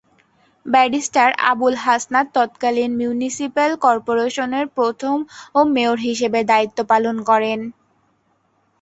Barrister Abul Hasnat তৎকালীন municipal করপোরেশনের প্রথম মেয়র হিসেবে দায়িত্ব পালন করেন।